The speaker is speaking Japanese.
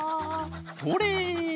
それ！